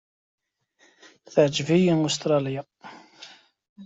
Teɛjeb-iyi Ustṛalya.